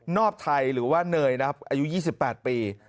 อบไทยหรือว่าเนยนะครับอายุ๒๘ปี